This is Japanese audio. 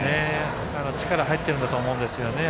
力、入ってるんだと思うんですよね。